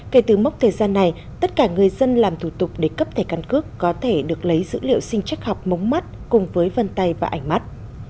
kể từ mốc thời gian này tất cả người dân làm thủ tục để cấp thẻ căn cước có thể được lấy dữ liệu sinh chắc học mống mắt cùng với vân tay và ảnh mắt